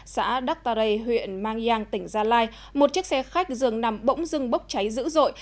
xã đắc ta rây huyện mang giang tỉnh gia lai một chiếc xe khách dường nằm bỗng dưng bốc cháy dữ dội